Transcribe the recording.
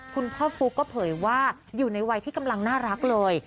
คุณพ่อฟุ๊กก็เผยว่าอยู่ในวัยที่กำลังน่ารักเลย